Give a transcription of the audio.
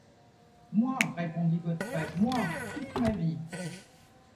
Moi! répondit Godfrey, moi ! toute ma vie !